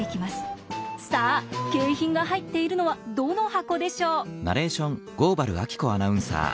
さあ景品が入っているのはどの箱でしょう？